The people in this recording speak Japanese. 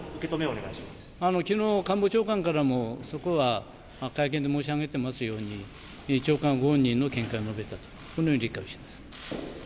きのう、官房長官からも、そこは会見で申し上げていますように、長官ご本人の見解を述べたと、このように理解をしています。